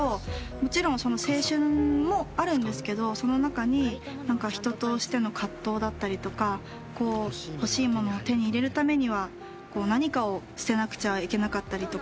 もちろん青春もあるんですけどその中に人としての葛藤だったりとか欲しいものを手に入れるためには何かを捨てなくちゃいけなかったりとか。